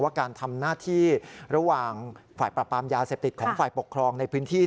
การทำหน้าที่ระหว่างฝ่ายปรับปรามยาเสพติดของฝ่ายปกครองในพื้นที่